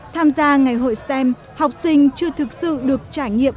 tham gia ngày hội stem học sinh chưa thực sự được trải nghiệm